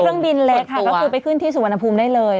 เครื่องบินเล็กค่ะก็คือไปขึ้นที่สุวรรณภูมิได้เลย